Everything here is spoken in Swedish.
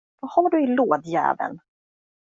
Vad har du i lådjäveln?